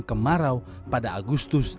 kemarau pada agustus